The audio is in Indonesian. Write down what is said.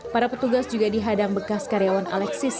para petugas juga dihadang bekas karyawan alexis